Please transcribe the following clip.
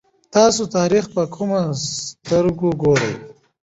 تاسو تاریخ ته په کومه سترګه ګورئ؟